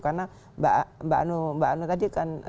karena mbak anu tadi kan